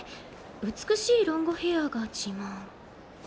美しいロングヘアが自慢。